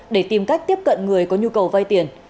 để tìm cách tiếp cận người có nhu cầu vay tiền